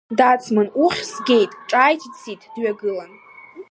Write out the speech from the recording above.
Дацман, уххь згеит, ҿааиҭит Сиҭ дҩагылан.